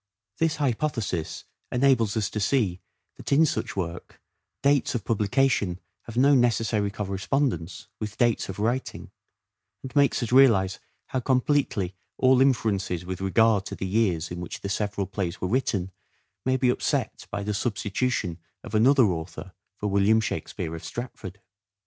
This hypothesis enables us to see that in such work dates of publication have no necessary correspondence with dates of writing, and makes us realize how completely all inferences with regard to the years in which the several plays were written may be upset by the substitution of another author for William Shakspere of Stratford.